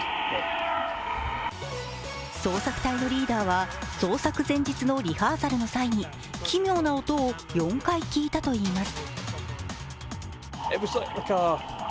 捜索隊のリーダーは、捜索前日のリハーサルの際に奇妙な音を４回聞いたといいます。